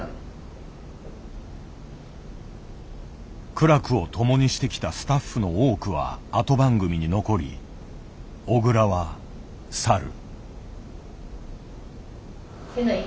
苦楽を共にしてきたスタッフの多くは後番組に残り小倉は去る。